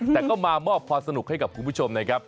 แต่ก็มามอบความสนุกให้กับคุณผู้ชมนะครับ